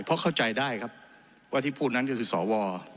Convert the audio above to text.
เพราะเข้าใจได้ครับว่าที่พูดนั้นก็คือสว